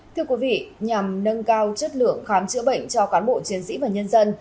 thưa quý vị nhằm nâng cao chất lượng khám chữa bệnh cho cán bộ chiến sĩ và nhân dân